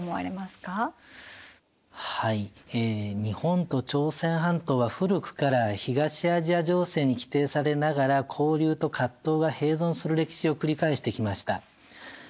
日本と朝鮮半島は古くから東アジア情勢に規定されながら交流と葛藤が併存する歴史を繰り返してきました。